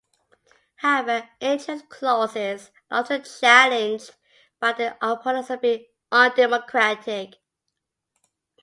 However, entrenched clauses are often challenged by their opponents as being undemocratic.